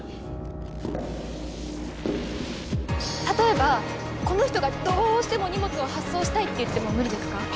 例えばこの人がどうしても荷物を発送したいって言っても無理ですか？